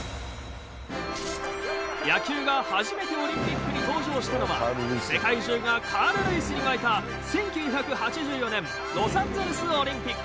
野球が初めてオリンピックに登場したのは世界中がカール・ルイスにわいた１９８４年ロサンゼルスオリンピック。